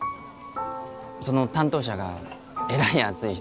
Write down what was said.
その担当者がえらい熱い人で。